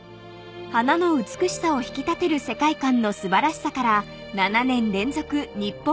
［花の美しさを引き立てる世界観の素晴らしさから７年連続日本一に輝いているんです］